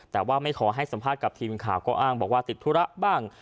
แต่ว่าไม่ขอให้สัมภาษณ์กับทีมข่าวก็อ้างบอกว่าติดธุระบ้าง